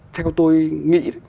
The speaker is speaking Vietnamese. theo tôi nghĩ